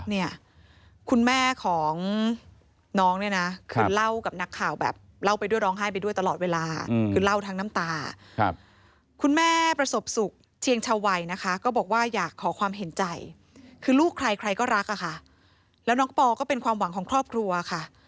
เนี่ยคุณแม่ของน้องเนี่ยนะคือเล่ากับนักข่าวแบบเล่าไปด้วยร้องไห้ไปด้วยตลอดเวลาคือเล่าทั้งน้ำตา